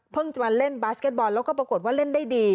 จะมาเล่นบาสเก็ตบอลแล้วก็ปรากฏว่าเล่นได้ดี